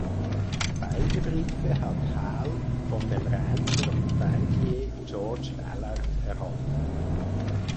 Beide Briefe hat Hall von dem Rancher und Bankier George Ballard erhalten.